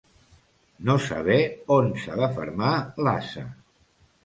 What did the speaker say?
No saber on s'ha de fermar l'ase.